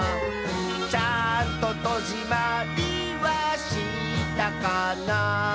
「ちゃんととじまりはしたかな」